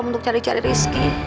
untuk cari cari rizky